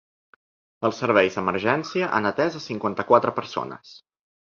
Els serveis d’emergència han atès a cinquanta-quatre persones.